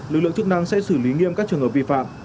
lực lượng chức năng sẽ xử lý nghiêm các trường hợp vi phạm